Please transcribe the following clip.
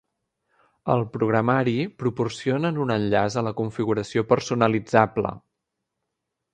Al programari, proporcionen un enllaç a la configuració personalitzable.